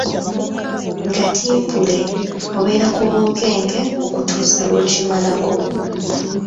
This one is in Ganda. Gatimpule” obeera ku bunkenke okutuusa lw’okimalako.